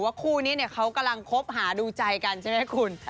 คู่นี้เขากำลังคบหาดูใจกันใช่ไหมคุณ